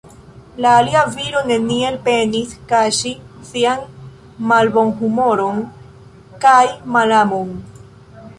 La alia viro neniel penis kaŝi sian malbonhumoron kaj malamon.